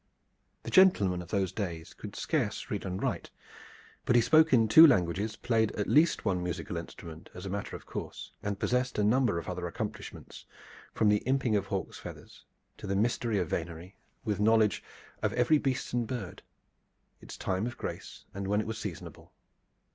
The gentleman of those days could scarce read and write; but he spoke in two languages, played at least one musical instrument as a matter of course, and possessed a number of other accomplishments, from the imping of hawk's feathers, to the mystery of venery, with knowledge of every beast and bird, its time of grace and when it was seasonable.